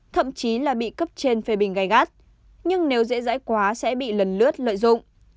thậm chí là bị cấp trên phê bình gai gắt nhưng nếu dễ dãi quá sẽ bị lần lướt lợi dụng